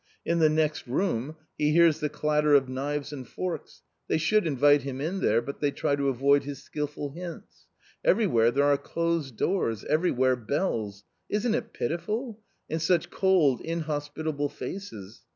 In the next room he hears the clatter of knives and forks ; they should invite him in there, but they try to avoid his skilful hints Everywhere there are closed doors, everywhere bells ; isn't it pitiful ? and such cold inhospitable faces.